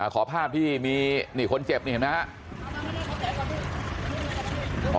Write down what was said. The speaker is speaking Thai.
ขอภาพที่มีนี่คนเจ็บนี่เห็นไหมครับ